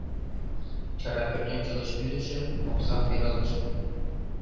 Чара пӧртӧнчылыш кӱзышым, омсам пералтышым.